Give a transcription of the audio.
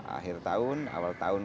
akhir tahun awal tahun